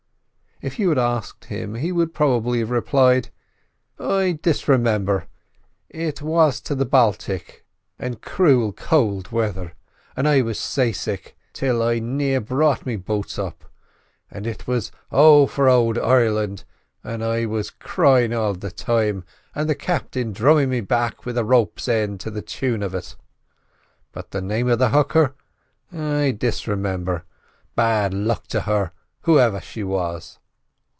If you had asked him, he would probably have replied: "I disremimber; it was to the Baltic, and cruel cowld weather, and I was say sick—till I near brought me boots up; and it was 'O for ould Ireland!' I was cryin' all the time, an' the captin dhrummin me back with a rope's end to the tune uv it—but the name of the hooker—I disremimber—bad luck to her, whoever she was!"